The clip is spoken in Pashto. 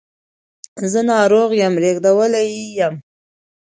زه ناروغ یم ریږدولی یې یم